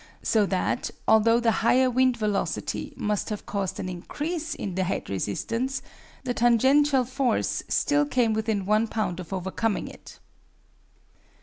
so that, although the higher wind velocity must have caused an increase in the head resistance, the tangential force still came within one pound of overcoming it.